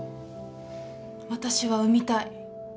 私は産みたい。